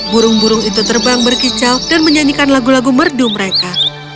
burung burung itu terbang berkicau dan menyanyikan lagu lagu merdu mereka